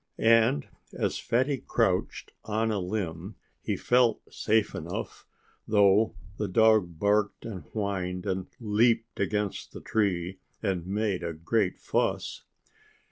And as Fatty crouched on a limb he felt safe enough, though the dog barked and whined, and leaped against the tree, and made a great fuss.